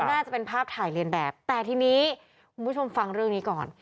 น่าจะเป็นภาพถ่ายเรียนแบบแต่ทีนี้คุณผู้ชมฟังเรื่องนี้ก่อน